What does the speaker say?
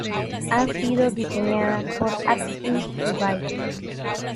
Ha sido diseñada por Atkins, Dubái.